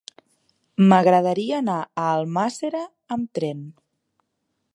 M'agradaria anar a Almàssera amb tren.